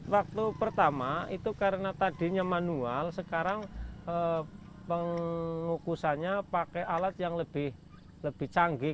waktu pertama itu karena tadinya manual sekarang pengukusannya pakai alat yang lebih canggih